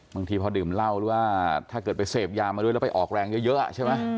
บางทีพอดื่มเหล้าหรือว่าถ้าเกิดไปเสพยามาด้วยแล้วไปออกแรงเยอะใช่ไหม